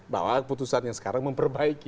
bahwa keputusan yang sekarang memperbaiki